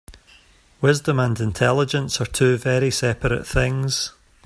Wisdom and intelligence are two very seperate things.